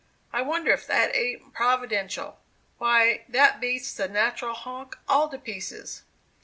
I wonder if that ain't 'providential'? Why, that beats the 'natural honk' all to pieces!"